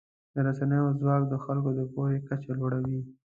د رسنیو ځواک د خلکو د پوهې کچه لوړوي.